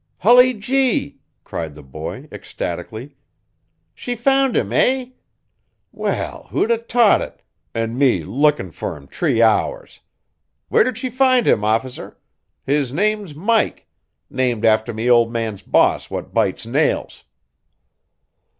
"Hully gee!" cried the boy, ecstatically. "She found him, eh? Well, who'd a t'ought it, an' me lookin' fer him tree hours. Where did she find him, officer? His name's Mike named after me old man's boss what bites nails."